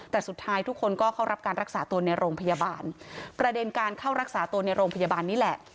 แต่สุดท้ายทุกคนก็เข้ารับการรักษาตัวในโรงพยาบาลประเด็นการเข้ารักษาตัวในโรงพยาบาลนี่แหละ